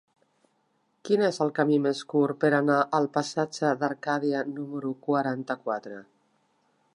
Quin és el camí més curt per anar al passatge d'Arcadia número quaranta-quatre?